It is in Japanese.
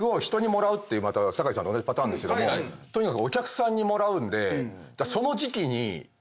酒井さんと同じパターンですけどもお客さんにもらうんで。